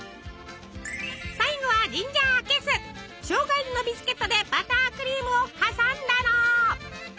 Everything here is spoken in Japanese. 最後はしょうが入りのビスケットでバタークリームを挟んだの。